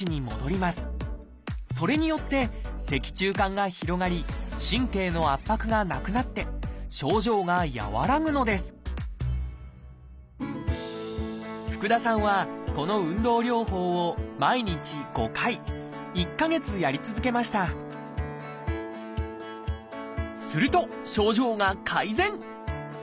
それによって脊柱管が広がり神経の圧迫がなくなって症状が和らぐのです福田さんはこの運動療法を毎日５回１か月やり続けましたすると症状が改善！